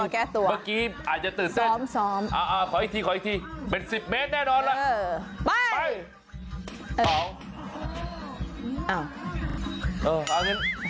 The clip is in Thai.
กะเอาแชมป์แน่นอน